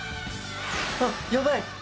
あっ、やばい！